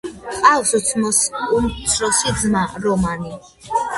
ჰყავს უმცროსი ძმა რომანი.